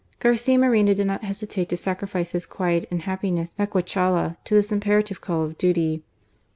Garcia Moreno did not hesitate to sacrifice his quiet and happiness at Guachala to this imperative call of duty.